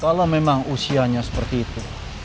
kalau memang usianya seperti itu